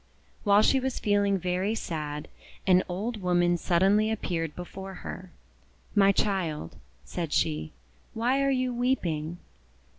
While she was feeling very sad, an old woman suddenly appeared before her. "My child," said she, "why are you weeping?'